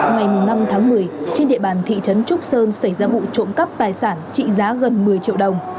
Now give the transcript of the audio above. ngày năm tháng một mươi trên địa bàn thị trấn trúc sơn xảy ra vụ trộm cắp tài sản trị giá gần một mươi triệu đồng